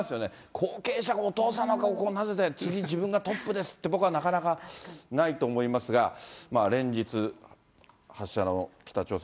後継者がお父様の顔をなでて、次、自分がトップですって、なかなかないと思いますが、連日、発射の北朝鮮。